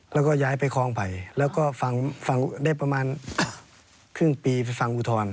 แล้วก็ย้ายไปคลองไผ่แล้วก็ฟังได้ประมาณครึ่งปีไปฟังอุทธรณ์